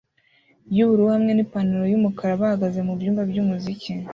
yubururu hamwe nipantaro yumukara bahagaze mubyumba byumuziki